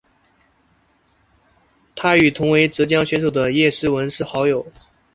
她与同为浙江选手的叶诗文是好友。